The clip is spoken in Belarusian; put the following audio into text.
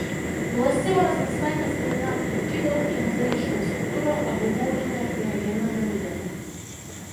Уласціва разнастайнасць дамінантных відаў і мазаічная структура, абумоўленая крыягенным рэльефам.